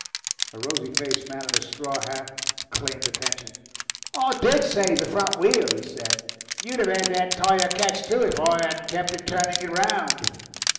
A rosy faced man in a straw hat claimed attention. "I DID save the front wheel," he said; "you'd have had that tyre catch, too, if I hadn't kept turning it round."